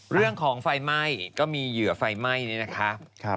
เรื่องของไฟไหม้ก็มีเหยื่อไฟไหม้นี่นะคะ